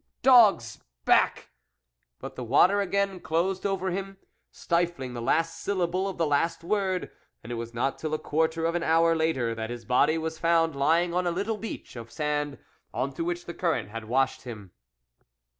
dogs, back!" But the water again closed over him, stifling the last syllable of the last word, and it was not till a quarter of an hour later that his body was found lying on a little beach of sand on to which the current had washed him.